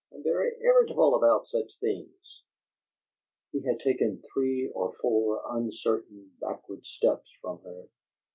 I'm very irritable about such things!" He had taken three or four uncertain backward steps from her.